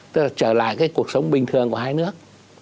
tức là trở lại cái cuộc sống bình thường của hai nước